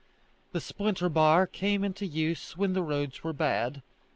The splinter bar came into use when the roads were bad.